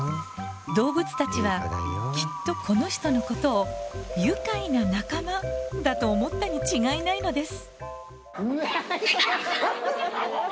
動物たちはきっとこの人のことを愉快な仲間だと思ったに違いないのです。